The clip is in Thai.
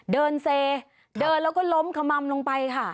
เดินเซเดินแล้วก็ล้มขมัมลงไปค่ะ